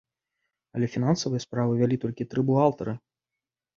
Але фінансавыя справы вялі толькі тры бухгалтары.